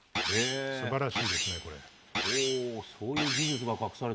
素晴らしいですね、これ。